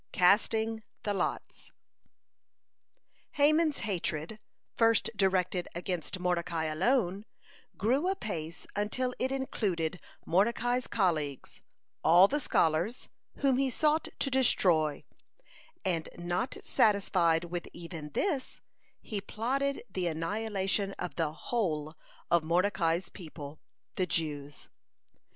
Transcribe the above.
(105) CASTING THE LOTS Haman's hatred, first directed against Mordecai alone, grew apace until it included Mordecai's colleagues, all the scholars, whom he sought to destroy, and not satisfied with even this, he plotted the annihilation of the whole of Mordecai's people, the Jews.